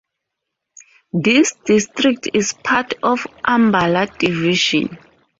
This district is part of Ambala Division.